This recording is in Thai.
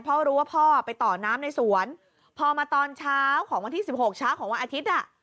เพราะรู้ว่าพ่อไปต่อน้ำในสวนพอมาตอนเช้าของวันที่๑๖เช้าของวันอาทิตย์อ่ะ